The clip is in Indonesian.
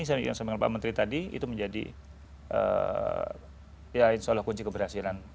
saya ingin mengucapkan kepada pak menteri tadi itu menjadi ya insya allah kunci keberhasilan